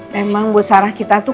memang buat sarah kita tuh